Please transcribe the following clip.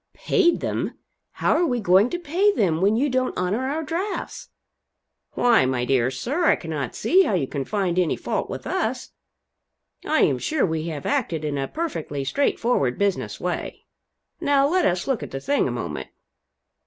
"Paid them! How are we going to pay them when you don't honor our drafts?" "Why, my dear sir, I cannot see how you can find any fault with us. I am sure we have acted in a perfectly straight forward business way. Now let us look at the thing a moment.